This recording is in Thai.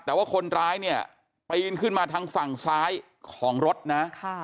แต่ว่าคนร้ายเนี่ยปีนขึ้นมาทางฝั่งซ้ายของรถนะ